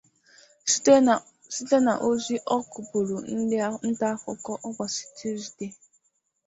site n'ozi ọ kụpụụrụ ndị ntaakụkọ ụbọchị Tuzdee.